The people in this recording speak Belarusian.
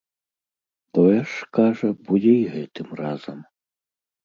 Тое ж, кажа, будзе і гэтым разам.